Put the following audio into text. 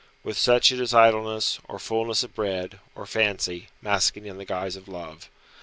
With such it is idleness, or fulness of bread, or fancy, masking in the guise of love.